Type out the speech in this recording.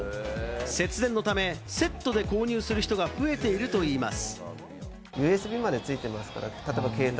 節電のためセットで購入する人が増えているといいます。